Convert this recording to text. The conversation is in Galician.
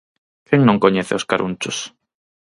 Quen non coñece os Carunchos?